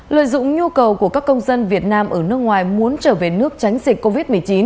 lợi dụng nhu cầu của các công dân việt nam ở nước ngoài muốn trở về nước tránh dịch covid một mươi chín